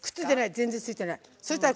全然ついてない。